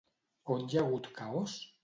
On hi ha hagut caos?